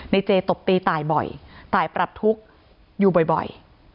เจตบตีตายบ่อยตายปรับทุกข์อยู่บ่อย